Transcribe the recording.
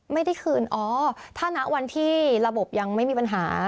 ไม่ได้คืนอ๋อถ้าณวันที่ระบบยังไม่มีปัญหา